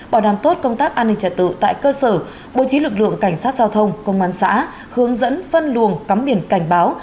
bảo đảm tốt công tác an ninh trật tự tại cơ sở bố trí lực lượng cảnh sát giao thông công an xã hướng dẫn phân luồng cắm biển cảnh báo